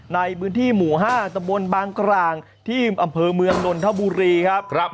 ในพื้นที่หมู่๕ตะบนบางกลางที่อำเภอเมืองนนทบุรีครับ